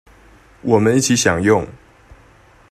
我們一起享用